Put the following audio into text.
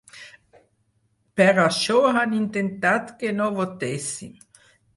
Per això han intentat que no votéssim.